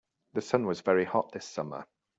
The sun was very hot this summer.